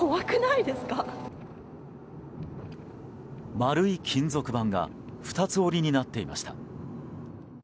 丸い金属板が二つ折りになっていました。